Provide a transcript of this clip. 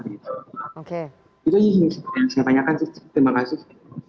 itu yang saya tanyakan terima kasih